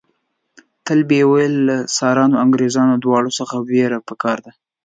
تل به یې ویل له روسانو او انګریزانو دواړو څخه وېره په کار ده.